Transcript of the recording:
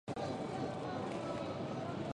ネット回線、速度上がらないかな